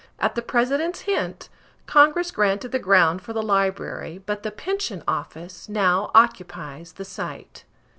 At the President's hint, Congress granted the ground for the library, but the Pension Office now occupies the site.